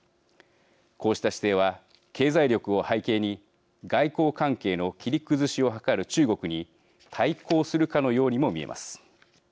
こうした姿勢は経済力を背景に外交関係の切り崩しを図る中国に対抗するかのようにも見えます。